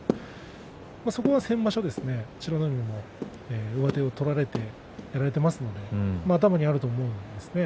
そこは先場所美ノ海も上手を取られてやられていますので頭にあると思います。